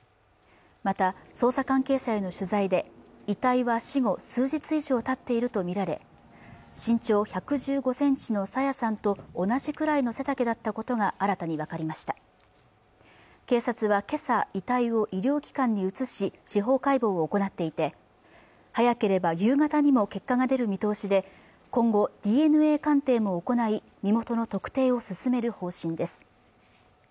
また捜査関係者への取材で遺体は死後数日以上たっていると見られ身長１１５センチの朝芽さんと同じくらいの背丈だったことが新たに分かりました警察は今朝遺体を医療機関に移し司法解剖を行っていて早ければ夕方にも結果が出る見通しで今後ＤＮＡ鑑定を行い身元の特定を進める方針です